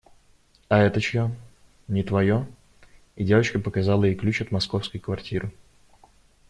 – А это чье? Не твое? – И девчонка показала ей ключ от московской квартиры.